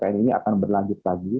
dan ini akan berlanjut lagi